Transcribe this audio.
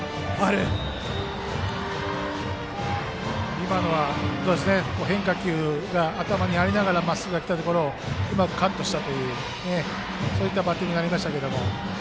今のは変化球が頭にありながらまっすぐが来たところをうまくカットしたというそういったバッティングになりましたが。